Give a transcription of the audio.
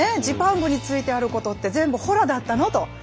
ジパングについてあることって全部ほらだったのと。